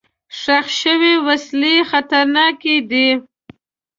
ښخ شوي وسلې خطرناکې دي.